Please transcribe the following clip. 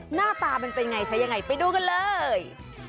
หน้าตามันเป็นไงใช้ยังไงไปดูกันเลย